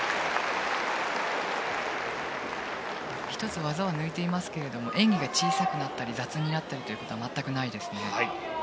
１つ、技を抜いていますが演技が小さくなったり雑になったりということは全くないですね。